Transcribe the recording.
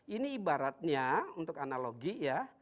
ini ibaratnya untuk analogi ya